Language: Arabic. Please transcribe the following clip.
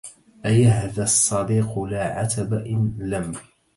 أيهذا الصديق لا عتب إن لم